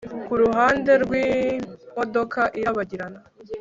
Kuruhande rwimodoka irabagirana